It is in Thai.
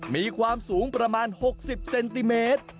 มีความสูงประมาณ๖๐เซนติเมตร